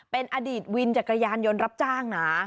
เป็นอดีตวินจักรยานยนต์รับจ้างนะ